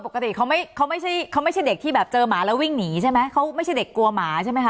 เพราะฉะนั้นโดยปกติเขาไม่ใช่เด็กที่แบบเจอหมาแล้ววิ่งหนีใช่ไหมเขาไม่ใช่เด็กกลัวหมาใช่ไหมคะ